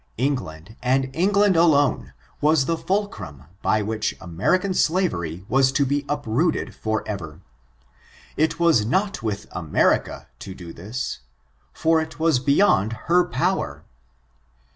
England^ and England alone, was the fulcrum by which American slavery was to be uprooted forever. It waa not with America (to do this), for it was beyond her power."